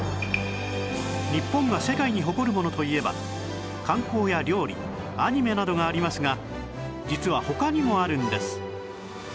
日本が世界に誇るものといえば観光や料理アニメなどがありますが実は他にもあるんです